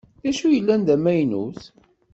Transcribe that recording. Dacu i yellan d amaynut?